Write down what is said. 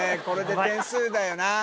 これで点数だよな